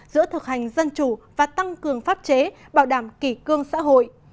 giữa thực hành dân chủ và tăng cường pháp chế bảo đảm kỷ cương xã hội